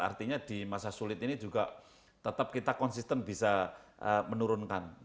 artinya di masa sulit ini juga tetap kita konsisten bisa menurun dari dua dua